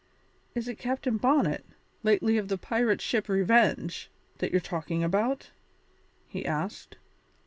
"Is it Captain Bonnet, lately of the pirate ship Revenge, that you're talking about?" he asked.